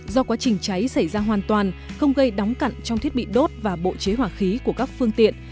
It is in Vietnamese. do quá trình cháy xảy ra hoàn toàn không gây đóng cặn trong thiết bị đốt và bộ chế hỏa khí của các phương tiện